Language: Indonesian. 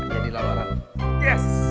jadi lamaran yes